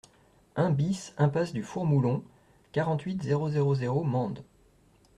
un BIS impasse du Four Moulon, quarante-huit, zéro zéro zéro, Mende